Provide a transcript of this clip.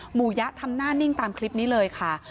ยะทำหน้านิ่งตามคลิปนี้เลยค่ะ